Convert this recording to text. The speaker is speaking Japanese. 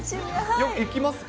よく行きますか？